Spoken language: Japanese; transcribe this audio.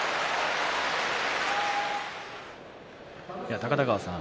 高田川さん